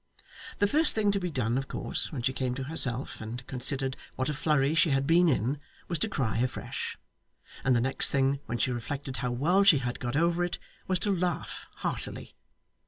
The first thing to be done, of course, when she came to herself and considered what a flurry she had been in, was to cry afresh; and the next thing, when she reflected how well she had got over it, was to laugh heartily.